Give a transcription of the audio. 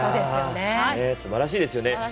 すばらしいですよね。